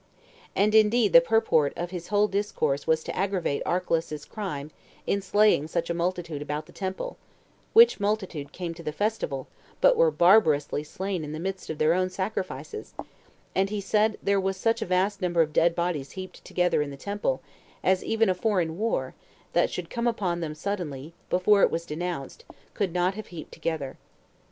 And indeed the purport of his whole discourse was to aggravate Archelaus's crime in slaying such a multitude about the temple, which multitude came to the festival, but were barbarously slain in the midst of their own sacrifices; and he said there was such a vast number of dead bodies heaped together in the temple, as even a foreign war, that should come upon them [suddenly], before it was denounced, could not have heaped together.